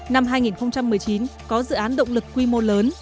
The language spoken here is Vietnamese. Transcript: năm hai nghìn một mươi chín có dự án động lực quy mô lớn